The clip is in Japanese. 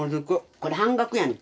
これ半額やねん。